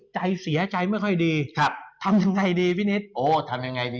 ใจเสียใจไม่ค่อยดีทำยังไงดีพี่นิด